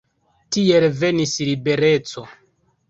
Tiel venis libereco.